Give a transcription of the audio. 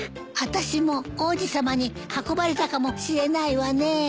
あたしも王子さまに運ばれたかもしれないわね。